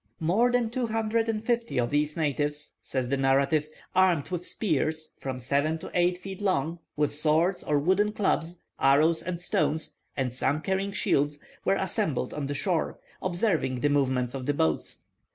"More than two hundred and fifty of these natives," says the narrative, "armed with spears, from seven to eight feet long, with swords, or wooden clubs, arrows and stones, and some carrying shields, were assembled on the shore, observing the movements of the boats.